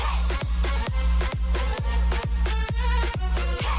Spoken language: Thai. สวัสดีครับมาเจอกับแฟแล้วนะครับ